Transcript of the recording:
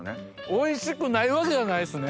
おいしくないわけがないっすね